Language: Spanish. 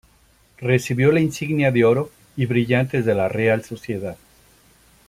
Recibió la insignia de oro y brillantes de la Real Sociedad.